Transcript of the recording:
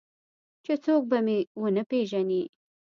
چې څوک به مې ونه پېژني.